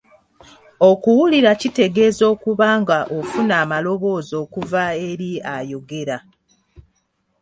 Okuwulira kitegeeza okuba ng'ofuna amaloboozi okuva eri ayogera.